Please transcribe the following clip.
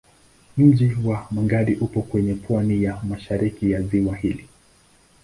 Mji wa Magadi upo kwenye pwani ya mashariki ya ziwa hili.